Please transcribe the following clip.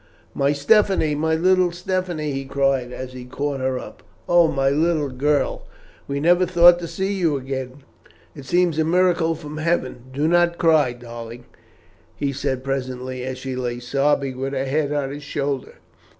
"My Stephanie! my little Stephanie!" he cried, as he caught her up. "Oh, my little girl! we never thought to see you again it seems a miracle from heaven. Do not cry, darling," he said presently, as she lay sobbing with her head on his shoulder.